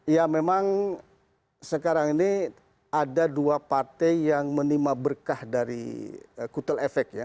ya memang sekarang ini ada dua partai yang menima berkah dari kutel efek ya